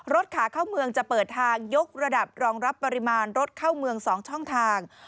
ขาเข้าเมืองจะเปิดทางยกระดับรองรับปริมาณรถเข้าเมือง๒ช่องทาง